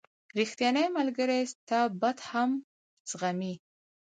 • ریښتینی ملګری ستا بد هم زغمي.